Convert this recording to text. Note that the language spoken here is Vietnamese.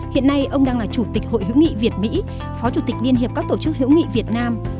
hiện nay ông đang là chủ tịch hội hữu nghị việt mỹ phó chủ tịch liên hiệp các tổ chức hữu nghị việt nam